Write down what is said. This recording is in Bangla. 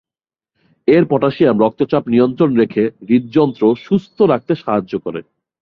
এর পটাশিয়াম রক্তচাপ নিয়ন্ত্রণ রেখে হৃদযন্ত্র সুস্থ রাখতে সাহায্য করে।